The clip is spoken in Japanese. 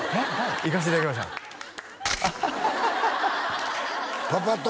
行かせていただきましたパパ友？